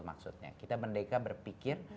maksudnya kita merdeka berpikir